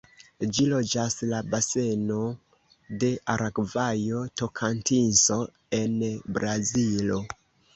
Ĝi loĝas la baseno de Aragvajo-Tokantinso en Brazilo.